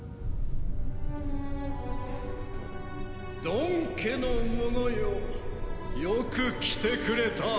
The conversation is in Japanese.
ドン家の者よよく来てくれた。